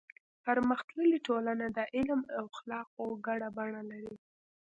پرمختللې ټولنه د علم او اخلاقو ګډه بڼه لري.